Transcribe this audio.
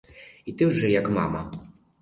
І ти вже, як мама!